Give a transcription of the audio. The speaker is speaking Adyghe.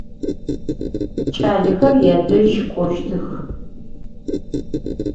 Ç'alexer yadej k'oştıx.